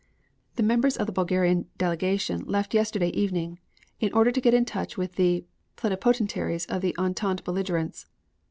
The members of the Bulgarian delegation left yesterday evening in order to get into touch with the Plenipotentiaries of the Entente belligerents."